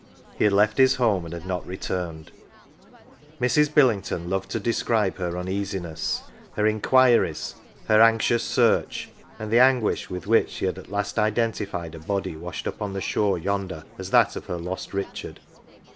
He had left his home and had not returned. Mrs. Billington loved to describe her uneasiness, her inquiries, her anxious search, and the anguish with which she had at last identified a body washed up on the shore yonder as that of her lost Richard.